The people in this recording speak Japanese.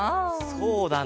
そうだな。